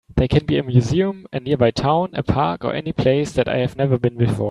They can be a museum, a nearby town, a park, or any place that I have never been before.